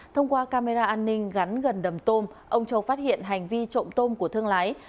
thông qua camera an ninh gắn gần đầm tôm ông châu phát hiện hành vi trộm tôm của thương lái